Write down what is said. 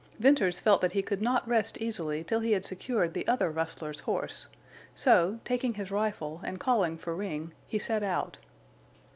Venters felt that he could not rest easily till he had secured the other rustler's horse; so, taking his rifle and calling for Ring, he set out.